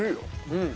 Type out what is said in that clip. うん。